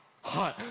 はい。